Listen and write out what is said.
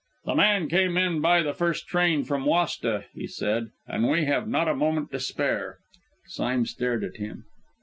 "The man came in by the first train from Wasta," he said, "and we have not a moment to spare!" Sime stared at him.